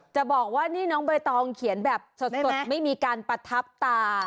จะบอกว่านี่น้องใบตองเขียนแบบสดไม่มีการประทับตา